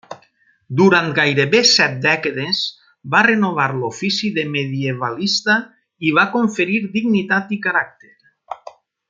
Durant gairebé set dècades va renovar l'ofici de medievalista, i va conferir dignitat i caràcter.